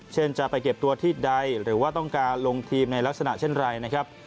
เช่นจะไปเก็บตัวที่ใดหรือว่าต้องการลงทีมในลักษณะเช่นไรนะครับ